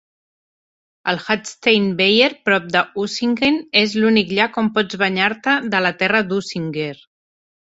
El Hattsteinweiher, prop de Usingen, és l'únic llac on pots banyar-te de la "Terra d'Usinger".